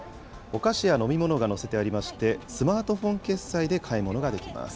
お菓子や飲み物が載せてありまして、スマートフォン決済で買い物ができます。